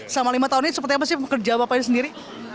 selama lima tahun ini seperti apa sih pekerja bapak ini sendiri